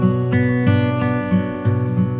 terima kasih ya mas